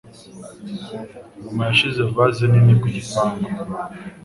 Mama yashyize vase nini ku gipangu.